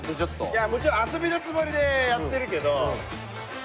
いやもちろん遊びのつもりでやってるけど。